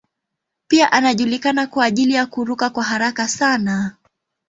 Pia anajulikana kwa ajili ya kuruka kwa haraka sana.